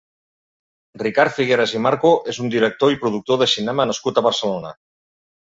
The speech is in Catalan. Ricard Figueras i Marco és un director i productor de cinema nascut a Barcelona.